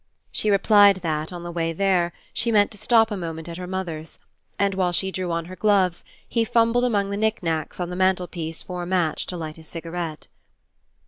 She replied that, on the way there, she meant to stop a moment at her mother's; and while she drew on her gloves, he fumbled among the knick knacks on the mantel piece for a match to light his cigarette.